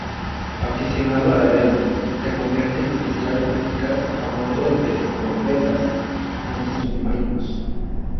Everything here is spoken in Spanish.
Aficionado a la vela, se convierte en oficial eficaz a bordo de corbetas antisubmarinos.